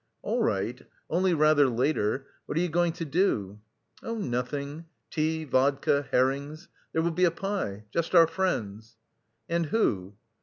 "All right, only rather later. What are you going to do?" "Oh, nothing tea, vodka, herrings. There will be a pie... just our friends." "And who?"